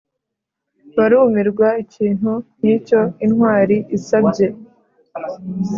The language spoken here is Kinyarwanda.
barumirwa ikintu nkicyo intwari isabye.